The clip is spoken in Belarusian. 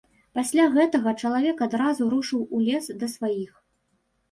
Пасля гэтага чалавек адразу рушыў у лес да сваіх.